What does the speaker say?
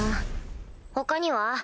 他には？